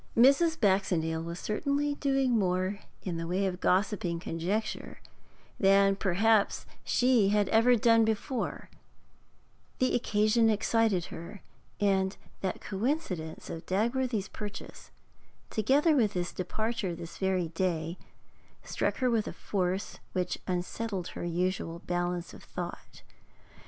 Mrs. Baxendale was certainly doing more in the way of gossiping conjecture than perhaps she had ever done before; the occasion excited her, and that coincidence of Dagworthy's purchase, together with his departure this very day, struck her with a force which unsettled her usual balance of thought.